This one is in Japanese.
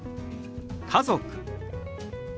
「家族」。